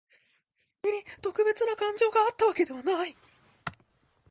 君に特別な感情があったわけではない。